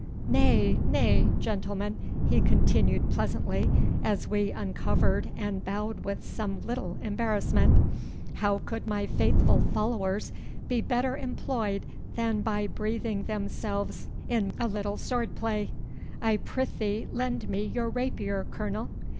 'Nay, nay, gentlemen,' he continued pleasantly, as we uncovered and bowed with some little embarrassment; 'how could my faithful followers be better employed than by breathing themselves in a little sword play? I prythee lend me your rapier, Colonel.